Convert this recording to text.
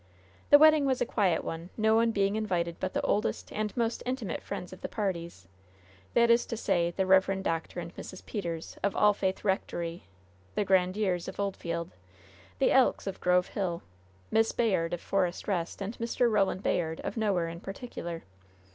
The wedding was a quiet one, no one being invited but the oldest and most intimate friends of the parties that is to say, the Rev. Dr. and Mrs. Peters, of All Faith Rectory; the Grandieres, of Oldfield; the Elks, of Grove Hill; Miss Bayard, of Forest Rest, and Mr. Roland Bayard, of nowhere in particular.